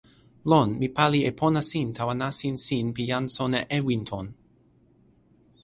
lon, mi pali e pona sin tawa nasin sin pi jan sona Ewinton.